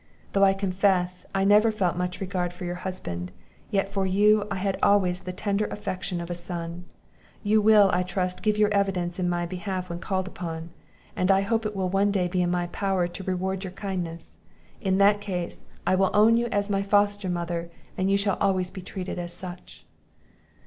Though I confess, I never felt much regard for your husband, yet for you I had always the tender affection of a son. You will, I trust, give your evidence in my behalf when called upon; and I hope it will one day be in my power to reward your kindness; In that case, I will own you as my foster mother, and you shall always be treated as such."